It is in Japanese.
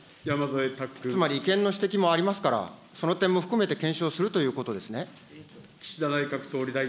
つまり、違憲の指摘もありますから、その点も含めて検証するということですね。